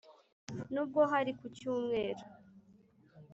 N'ubwo hari ku cyumweru